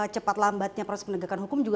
cepat lambatnya proses penegakan hukum juga